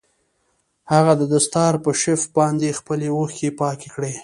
هغه د دستار په شف باندې خپلې اوښکې پاکې کړې.